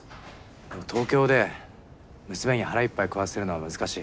でも東京で娘に腹いっぱい食わせるのは難しい。